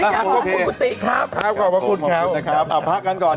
เอ้อขอบคุณพุตติครับขอบคุณแค่นั้นครับเอาพักกันก่อน